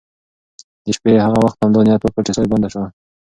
د شپې یې هغه وخت همدا نیت وکړ چې ساه یې بنده شوه.